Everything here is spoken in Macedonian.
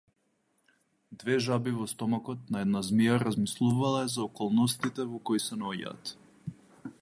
Две жаби во стомакот на една змија размислувале за околностите во кои се наоѓаат.